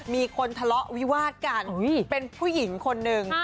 มีคนทะเลาะวิวาดกันเป็นผู้หญิงคนหนึ่ง